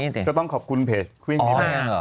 ก็ต้องขอบคุณเพจคุยงรีโมง